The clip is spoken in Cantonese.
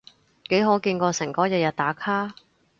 幾可見過誠哥日日打卡？